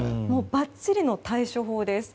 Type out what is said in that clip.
ばっちりの対処法です。